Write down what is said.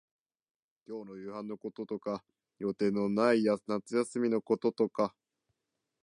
今日の夕飯のこととか、予定のない夏休みのこととか、